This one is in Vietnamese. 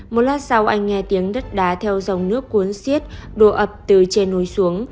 một lát sau anh nghe tiếng đất đá theo dòng nước cuốn xiết đồ ập từ trên hối xuống